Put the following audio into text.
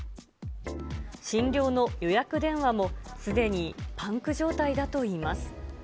診療の予約電話もすでにパンク状態だといいます。